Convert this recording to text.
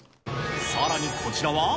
さらにこちらは。